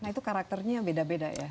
nah itu karakternya beda beda ya